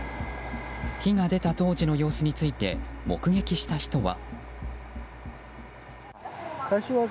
火が出た当時の様子について目撃した人は。